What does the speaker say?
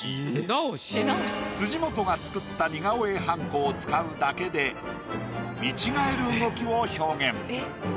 辻元が作った似顔絵はんこを使うだけで見違える動きを表現。